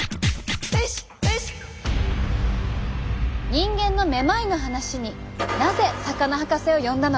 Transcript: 人間のめまいの話になぜ魚博士を呼んだのか？